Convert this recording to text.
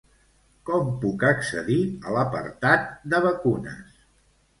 Com puc accedir a l'apartat de vacunes?